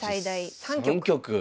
３局？